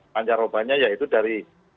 panjarobanya yaitu dari